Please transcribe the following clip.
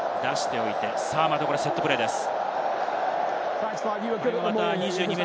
またセットプレーです。